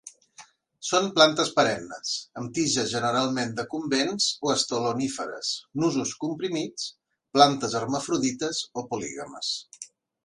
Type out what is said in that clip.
Són plantes perennes; amb tiges generalment decumbents o estoloníferes; nusos comprimits; plantes hermafrodites o polígames.